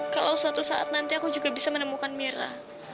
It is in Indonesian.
kalau suatu saat nanti aku juga bisa menemukan mira